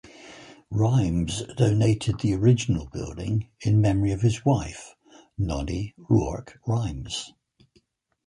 Rhymes donated the original building in memory of his wife, Nonnie Roark Rhymes.